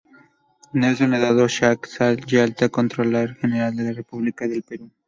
Nelson Eduardo Shack Yalta, Contralor General de la República del Perú.